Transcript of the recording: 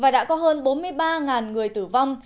và đã có hơn bốn mươi ba người tử vong